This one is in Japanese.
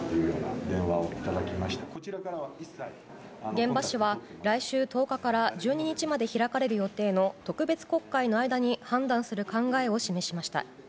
玄葉氏は来週１０日から１２日まで開かれる予定の特別国会の間に判断する考えを示しました。